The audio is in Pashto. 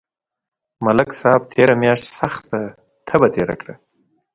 ملک صاحب تېره میاشت سخته تبه تېره کړه